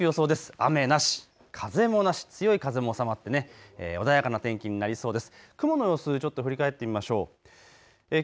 雨なし、風もなし、強い風も収まって穏やかな天気になりそうです。